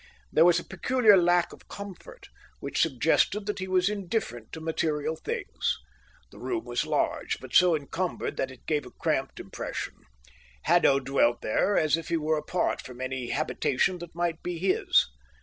There was a peculiar lack of comfort, which suggested that he was indifferent to material things. The room was large, but so cumbered that it gave a cramped impression. Haddo dwelt there as if he were apart from any habitation that might be his.